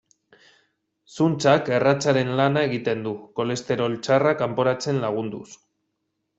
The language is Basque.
Zuntzak erratzaren lana egiten du, kolesterol txarra kanporatzen lagunduz.